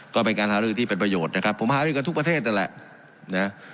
ก็เป็นการหารือที่เป็นประโยชน์นะครับผมหารือกันทุกประเทศนั่นแหละนะ